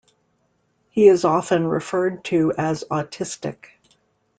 He is often referred to as autistic.